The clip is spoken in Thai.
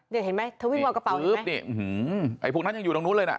เดี๋ยวเห็นไหมเธอวิ่งมากระเป๋าเห็นไหมนี่คืบนี่อื้อหือไอ้พวกนั้นยังอยู่ตรงนู้นเลยน่ะ